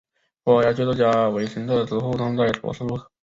葡萄牙剧作家维森特之父葬在左侧入口。